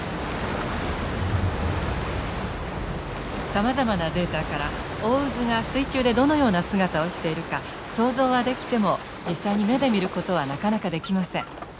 さまざまなデータから大渦が水中でどのような姿をしているか想像はできても実際に目で見ることはなかなかできません。